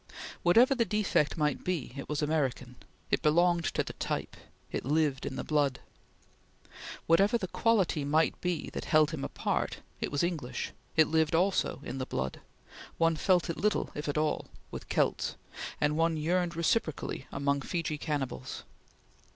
Whatever the defect might be, it was American; it belonged to the type; it lived in the blood. Whatever the quality might be that held him apart, it was English; it lived also in the blood; one felt it little if at all, with Celts, and one yearned reciprocally among Fiji cannibals.